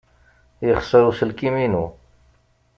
Yexṣer uselkim-inu.